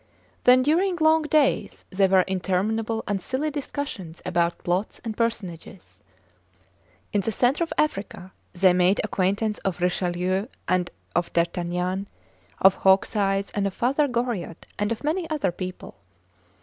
Then during long days there were interminable and silly discussions about plots and personages. In the centre of Africa they made acquaintance of Richelieu and of dArtagnan, of Hawks Eye and of Father Goriot, and of many other people.